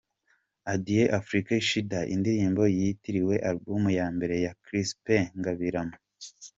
Adieu l’Afrique Shida”, indirimbo yiritiwe Album ya mbere ya Chrispin Ngabirama:.